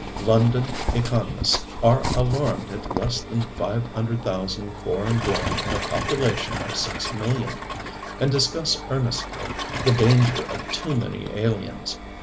London economists are alarmed at less than five hundred thousand foreign born in a population of six million, and discuss earnestly the danger of too many aliens.